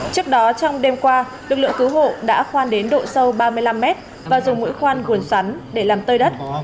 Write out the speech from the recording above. trước đó trong đêm qua lực lượng cứu hộ đã khoan đến độ sâu ba mươi năm mét và dùng mũi khoan gồm sắn để làm tơi đất